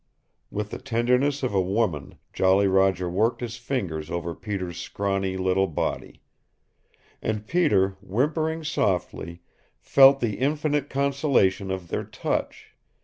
With the tenderness of a woman Jolly Roger worked his fingers over Peter's scrawny little body. And Peter, whimpering softly, felt the infinite consolation of their touch.